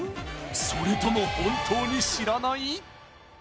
それとも本当に知らない？